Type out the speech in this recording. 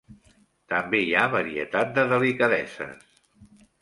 També hi ha varietat de delicadeses.